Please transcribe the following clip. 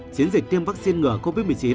chiến dịch tiêm vaccine ngừa covid một mươi chín